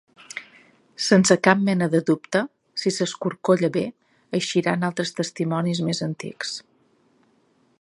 Sense cap mena de dubte, si s’escorcolla bé, eixiran altres testimonis més antics.